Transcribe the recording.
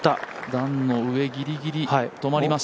段の上ギリギリ止まりました。